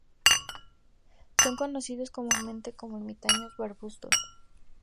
Son conocidos comúnmente como ermitaños barbudos.